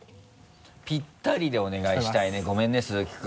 ぴったりでお願いしたいねごめんね鈴木君。